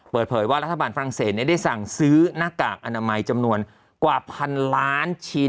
เปิดเผยว่ารัฐบาลฝรั่งเศสได้สั่งซื้อหน้ากากอนามัยจำนวนกว่าพันล้านชิ้น